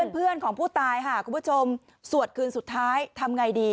เพื่อนของผู้ตายค่ะคุณผู้ชมสวดคืนสุดท้ายทำไงดี